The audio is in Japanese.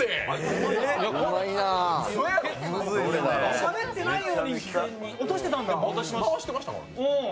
しゃべれてないようなのに落としたんだ。